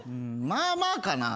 まあまあかな。